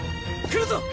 くるぞ！